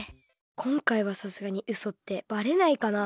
こんかいはさすがにうそってバレないかな？